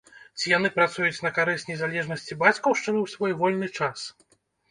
Ці яны працуюць на карысць незалежнасці бацькаўшчыны ў свой вольны час?